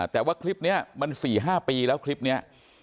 แต่ว่าคลิปนี้มัน๔๕ปีแล้วคลิปนี้